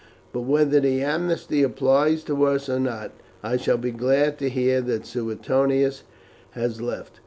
But whether the amnesty applies to us or not, I shall be glad to hear that Suetonius has left.